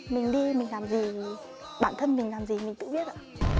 mình đi mình làm gì bản thân mình làm gì mình tự viết ạ